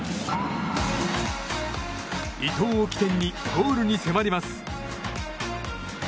伊東を起点にゴールに迫ります。